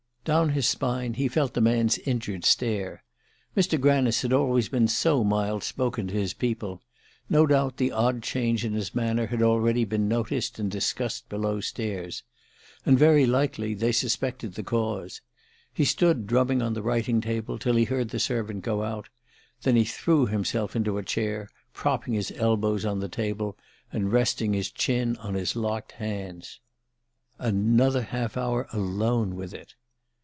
Down his spine he felt the man's injured stare. Mr. Granice had always been so mild spoken to his people no doubt the odd change in his manner had already been noticed and discussed below stairs. And very likely they suspected the cause. He stood drumming on the writing table till he heard the servant go out; then he threw himself into a chair, propping his elbows on the table and resting his chin on his locked hands. Another half hour alone with it!